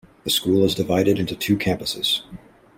The school is divided into two campuses.